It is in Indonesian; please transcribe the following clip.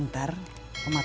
aku mau ke sana